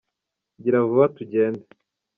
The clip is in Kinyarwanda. gira vuba tugende.